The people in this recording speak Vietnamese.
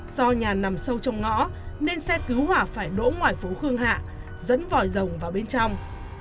do nhà nằm sâu trong ngõ nên xe cứu hỏa phải đỗ ngoài phố khương hạ dẫn vòi rồng vào bên trong